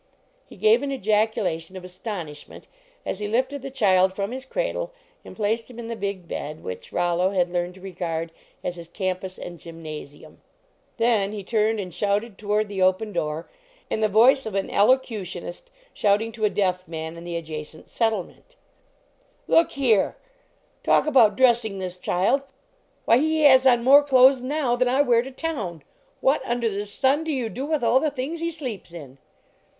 He gave an ejaculation of astonish ment as he lifted the child from his cradle and placed him in the big bed which Rollo had learned to regard as his campus and gym nasium. Then he turned and shouted to ward the open door, in the voice of an elocutionist shouting to a deaf man in the adjacent settlement 24 LEARNING TO DRESS "Look here! Talk about dressing this child ! Why, he has on more clothes now than I wear to town ! What under the sun do you do with all the things he sleeps in